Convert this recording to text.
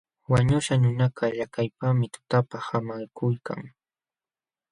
Wañuśhqa nunakaq llakiypaqmi tutapa haamakuykan.